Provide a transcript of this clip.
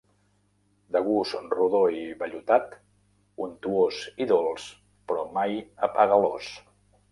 De gust rodó i vellutat, untuós i dolç però mai apegalós.